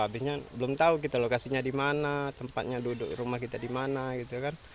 habisnya belum tahu kita lokasinya di mana tempatnya duduk rumah kita di mana gitu kan